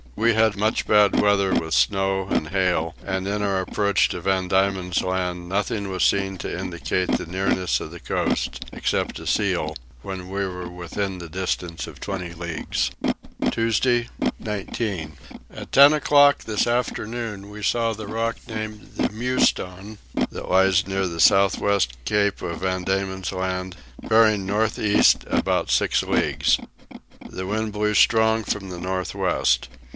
We had much bad weather with snow and hail, and in our approach to Van Diemen's Land nothing was seen to indicate the nearness of the coast, except a seal, when we were within the distance of 20 leagues. Tuesday 19. At ten o'clock this afternoon we saw the rock named the Mewstone, that lies near the south west cape of Van Diemen's Land, bearing north east about six leagues. The wind blew strong from the north west.